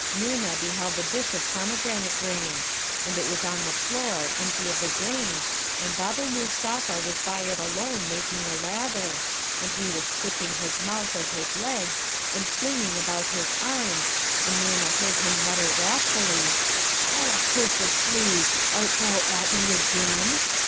Noorna beheld the Dish of Pomegranate Grain; and it was on the floor, empty of the grain, and Baba Mustapha was by it alone making a lather, and he was twitching his mouth and his legs, and flinging about his arms, and Noorna heard him mutter wrathfully, 'O accursed flea! art thou at me again?'